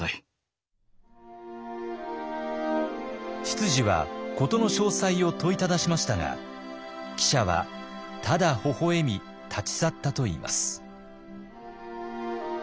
執事は事の詳細を問いただしましたが記者はただほほ笑み立ち去ったといいます。